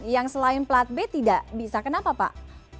yang selain plat b tidak bisa kenapa pak